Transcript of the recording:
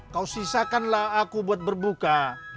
kau sisakanlah aku buat berbuka